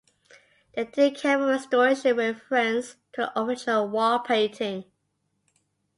They did careful restoration with reference to the original wall painting.